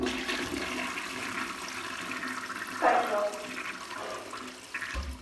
Honako hamar abesti hauek aukeratu ditu, bizitzaz eta lan proiektuez hitz egiteko.